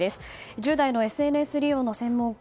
１０代のＳＮＳ利用の専門家